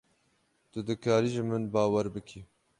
Tu dikarî ji min bawer bikî.